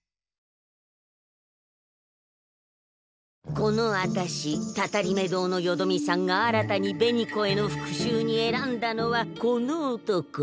このあたしたたりめ堂のよどみさんが新たに紅子への復しゅうに選んだのはこの男。